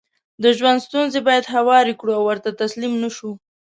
دژوند ستونزې بايد هوارې کړو او ورته تسليم نشو